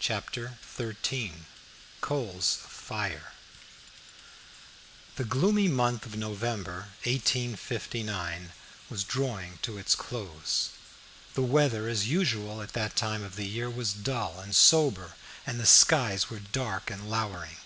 CHAPTER XIII. COALS OF FIRE. The gloomy month of November, 1859, was drawing to its close. The weather, as usual at that time of the year, was dull and sober, and the skies were dark and lowering.